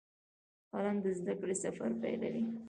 قلم د زده کړې سفر پیلوي